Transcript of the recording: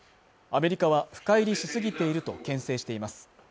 アメリカは深入りしすぎているとけん制しています